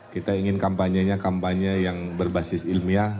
kita ingin kampanye nya kampanye yang berbasis ilmiah